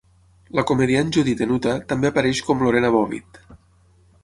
La comediant Judy Tenuta també apareix com Lorena Bobbitt.